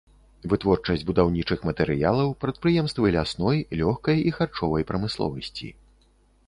Вытворчасць будаўнічых матэрыялаў, прадпрыемствы лясной, лёгкай і харчовай прамысловасці.